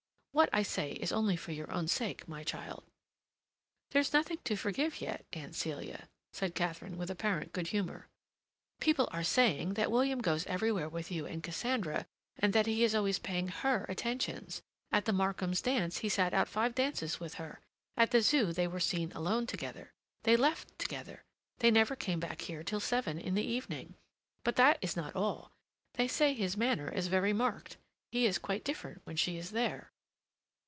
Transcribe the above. What I say is only for your own sake, my child." "There's nothing to forgive yet, Aunt Celia," said Katharine, with apparent good humor. "People are saying that William goes everywhere with you and Cassandra, and that he is always paying her attentions. At the Markhams' dance he sat out five dances with her. At the Zoo they were seen alone together. They left together. They never came back here till seven in the evening. But that is not all. They say his manner is very marked—he is quite different when she is there."